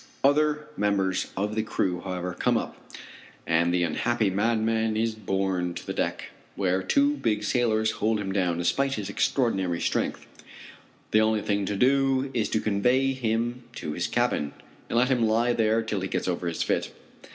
Other members of the crew, however, come up, and the unhappy madman is borne to the deck, where two big sailors hold him down, despite his extraordinary strength. The only thing to do is to convey him to his cabin, and let him lie there till he gets over his fit.